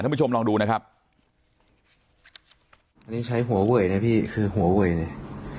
ผู้ชมลองดูนะครับอันนี้ใช้หัวเวยนะพี่คือหัวเวยเนี่ย